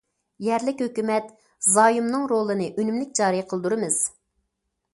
يەرلىك ھۆكۈمەت زايومىنىڭ رولىنى ئۈنۈملۈك جارى قىلدۇرىمىز.